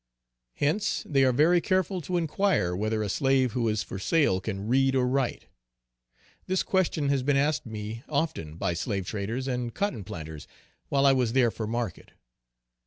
Hence they are very careful to inquire whether a slave who is for sale can read or write. This question has been asked me often by slave traders, and cotton planters, while I was there for market.